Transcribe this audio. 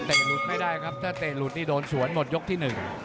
หลุดไม่ได้ครับถ้าเตะหลุดนี่โดนสวนหมดยกที่หนึ่ง